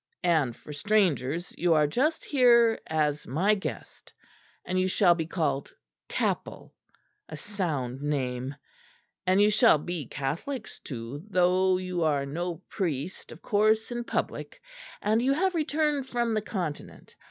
And, for strangers, you are just here as my guest; and you shall be called Capell a sound name; and you shall be Catholics too; though you are no priest, of course, in public and you have returned from the Continent.